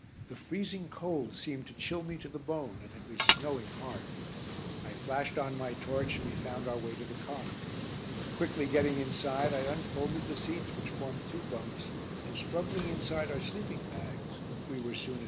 The freezing cold seemed to chill me to the bone, and it was snowing hard. I flashed on my torch and we found our way to the car. Quickly getting inside, I unfolded the seats which formed two bunks, and struggling inside our sleeping bags we were soon asleep.